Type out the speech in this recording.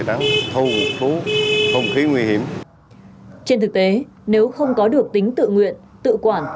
trên thực tế nếu không có được tính tự nguyện tự quản